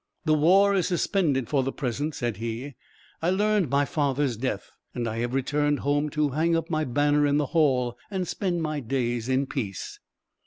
"The war is suspended for the present," said he. "I learned my father's death, and I have returned home to hang up my banner in the hall and spend my days in peace."